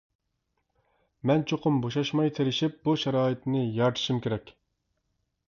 مەن چوقۇم بوشاشماي تىرىشىپ بۇ شارائىتنى يارىتىشىم كېرەك.